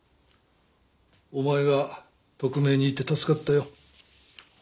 お前が特命にいて助かったよ。